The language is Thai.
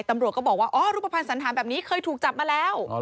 ตำรวจก็บอกว่าอ๋อรูปภัณฑ์สันธารแบบนี้เคยถูกจับมาแล้ว